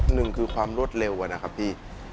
หนึ่งคือความรวดเร็วอะนะครับพี่